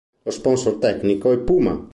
Lo sponsor tecnico è Puma.